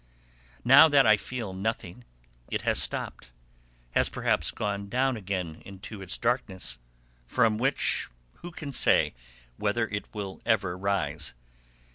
Now that I feel nothing, it has stopped, has perhaps gone down again into its darkness, from which who can say whether it will ever rise?